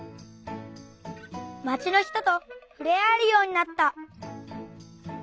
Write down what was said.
「まちの人とふれあえるようになった」。